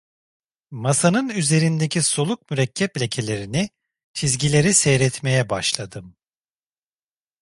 Masanın üzerindeki soluk mürekkep lekelerini, çizgileri seyretmeye başladım.